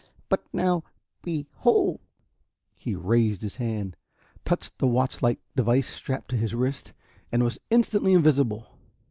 But now behold!" He raised his hand, touched a watch like device strapped to his wrist and was instantly invisible.